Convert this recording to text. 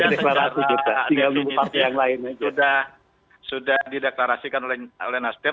ya maksud saya sudah dideklarasikan oleh nasden